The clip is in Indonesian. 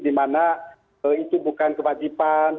di mana itu bukan kewajiban